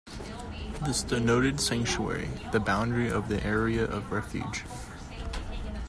This denoted sanctuary, the boundary of the area of refuge.